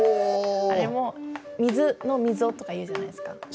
あれも「水の溝」とか言うじゃないですか。